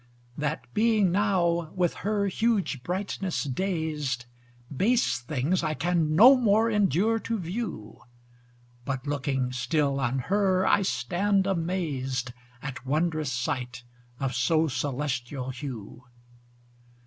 That being now with her huge brightness dazed, Base things I can no more endure to view; But looking still on her I stand amazed, At wondrous sight of so celestial hew.